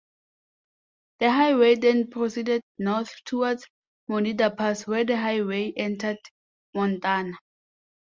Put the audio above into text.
The highway then proceeded north toward Monida Pass where the highway entered Montana.